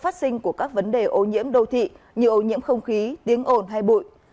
tinh của các vấn đề ô nhiễm đô thị như ô nhiễm không khí tiếng ồn hay bụi